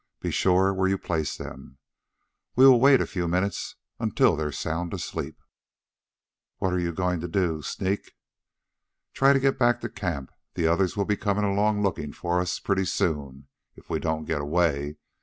Be sure where you place them. We'll wait a few minutes until they're sound asleep." "What you going to do sneak?" "Try to get back to camp. The others will be coming along looking for us pretty soon, if we don't get away.